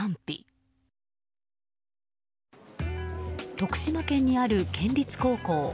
徳島県にある県立高校。